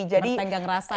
bertenggang rasa ya